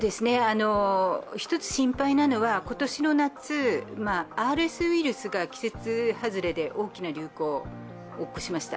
１つ心配なのは、今年の夏、ＲＳウイルスが季節外れで大きな流行を起こしました。